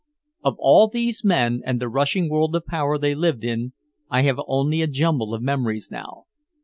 Of all these men and the rushing world of power they lived in, I have only a jumble of memories now.